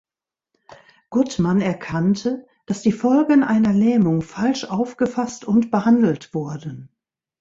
Guttmann erkannte, dass die Folgen einer Lähmung falsch aufgefasst und behandelt wurden.